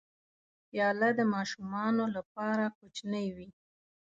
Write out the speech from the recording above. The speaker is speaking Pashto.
پیاله د ماشومانو لپاره کوچنۍ وي.